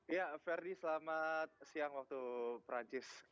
ya ferdi selamat siang waktu perancis